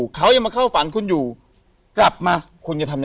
เกิดขึ้นอยู่เขายังมาเข้าฝันคุณอยู่กลับมาคุณจะทำ